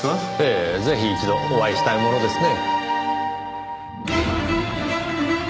ええぜひ一度お会いしたいものですね。